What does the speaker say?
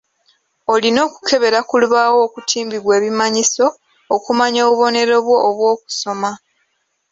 Olina okukebera ku lubaawo okutimbibwa ebimanyiso okumanya obubonero bwo obw'okusoma.